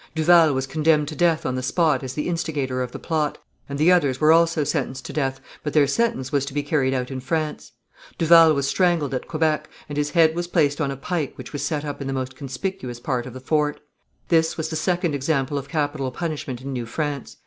Duval was condemned to death on the spot as the instigator of the plot, and the others were also sentenced to death, but their sentence was to be carried out in France. Duval was strangled at Quebec, and his head was placed on a pike which was set up in the most conspicuous part of the fort. This was the second example of capital punishment in New France.